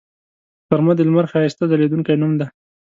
غرمه د لمر ښایسته ځلیدو نوم دی